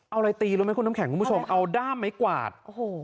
เอาอะไรตีรู้ไหมคุณน้ำแข็งคุณผู้ชมเอาด้ามไม้กวาดโอ้โห